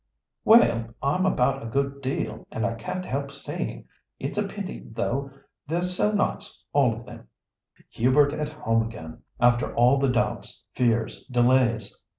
"Well, I'm about a good deal, and I can't help seeing. It's a pity, too; they're so nice, all of them." Hubert at home again! After all the doubts, fears, delays.